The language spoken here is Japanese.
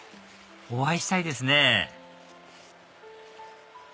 お会いしたいですね